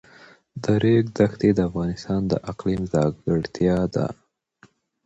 د ریګ دښتې د افغانستان د اقلیم ځانګړتیا ده.